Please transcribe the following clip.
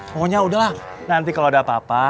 pokoknya udahlah nanti kalau udah apa apa